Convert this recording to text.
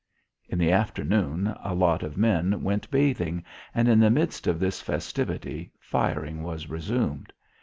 In the afternoon a lot of men went bathing, and in the midst of this festivity firing was resumed.